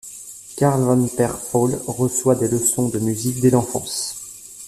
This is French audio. Karl von Perfall reçoit des leçons de musique dès l'enfance.